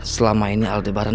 selama ini aldebaran